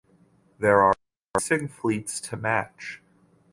There are racing fleets to match.